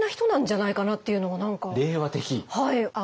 はい。